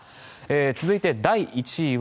続いて第１位は